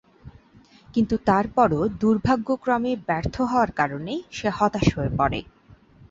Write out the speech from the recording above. কিন্তু তারপরও দুর্ভাগ্যক্রমে ব্যর্থ হওয়ার কারণে সে হতাশ হয়ে পড়ে।